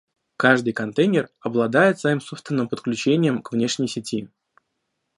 Каждый контейнер обладает своим собственным подключением к внешней сети